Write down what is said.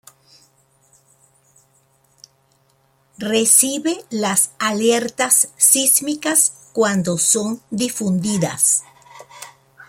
Recibe las alertas sísmicas cuando son difundidas.